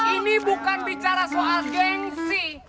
ini bukan bicara soal gengsi